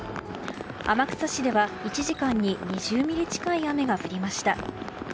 天草市では１時間に２０ミリ近い雨が降りました。